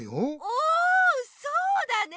おそうだね！